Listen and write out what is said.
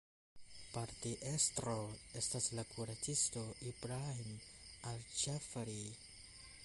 Partiestro estas la kuracisto Ibrahim al-Ĝafari.